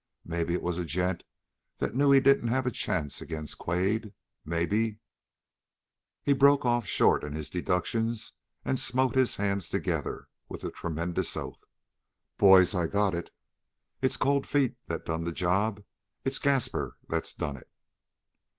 Maybe it was a gent that knew he didn't have a chance agin' Quade. Maybe " He broke off short in his deductions and smote his hands together with a tremendous oath. "Boys, I got it! It's Cold Feet that done the job. It's Gaspar that done it!"